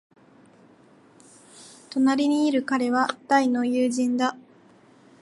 隣にいる彼は大の友人だ。